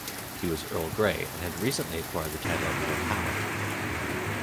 He was Earl Grey, and had recently acquired the title of Lord Howick.